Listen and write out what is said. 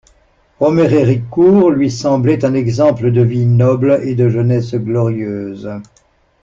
Omer Héricourt lui semblait un exemple de vie noble et de jeunesse glorieuse.